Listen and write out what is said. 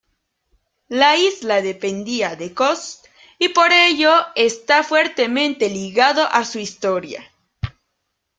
La isla dependía de Cos, y por ello está fuertemente ligada a su historia.